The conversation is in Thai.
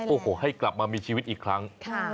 โอ้โหให้กลับมามีชีวิตอีกครั้ง